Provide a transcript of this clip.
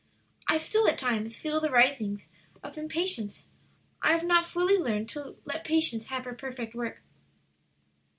"I still at times feel the risings of impatience; I have not fully learned to 'let patience have her perfect work.'